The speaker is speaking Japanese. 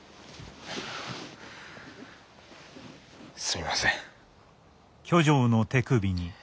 すみません。